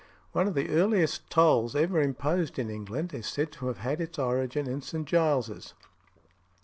One of the earliest tolls ever imposed in England is said to have had its origin in St. Giles's.